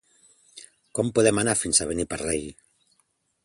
Com podem anar fins a Beniparrell?